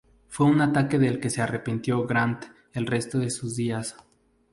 Fue un ataque del que se arrepintió Grant el resto de sus días.